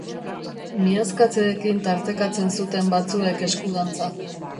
Miazkatzeekin tartekatzen zuten batzuek esku-dantza.